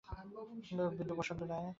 বৃদ্ধ বসন্ত রায় সকলের আগে আসিয়া দাঁড়াইলেন।